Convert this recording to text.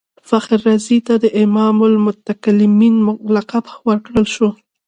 فخر رازي ته امام المتکلمین لقب ورکړل شو.